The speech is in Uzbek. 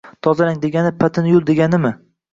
Tozalang degani, patini yul, deganimi